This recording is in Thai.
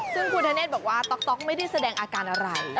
ซึ่งคุณธเนธบอกว่าต๊อกไม่ได้แสดงอาการอะไร